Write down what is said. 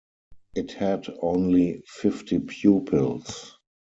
It had only fifty pupils.